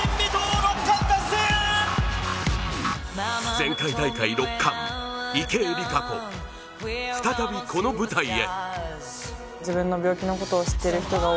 前回大会６冠、池江璃花子、再びこの舞台へ。